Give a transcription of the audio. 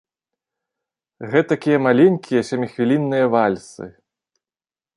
Гэтакія маленькія сяміхвілінныя вальсы.